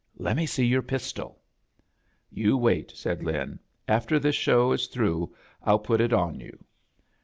Lemme see your pistoL" "You wait, said Lin. "After this show is through ITl put it on you."